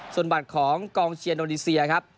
ส่วนบัตรของกองเชียร์โดนีเซียครับ